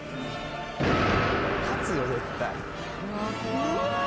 勝つよ絶対。